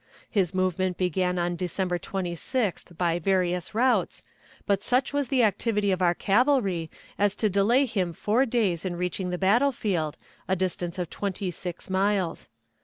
His movement began on December 26th by various routes, but such was the activity of our cavalry as to delay him four days in reaching the battle field, a distance of twenty six miles.